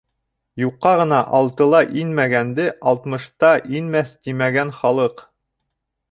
Юҡҡа ғына алтыла инмәгәнде, алтмышта инмәҫ тимәгән халыҡ.